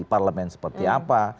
parlemen seperti apa